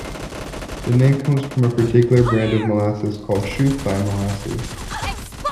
The name comes from a particular brand of molasses, called Shoofly Molasses.